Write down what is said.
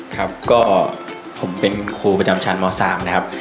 ครับก็ผมเป็นครูประจำชั้นม๓นะครับ